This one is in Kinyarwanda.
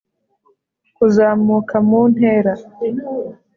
kuzamuka mu ntera